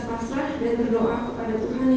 pasrah dan berdoa kepada tuhan yang